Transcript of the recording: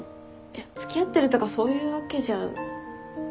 付き合ってるとかそういうわけじゃ。